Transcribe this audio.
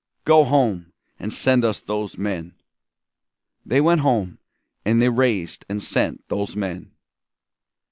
Go home and send us those men!'" They went home, and they raised and sent those men!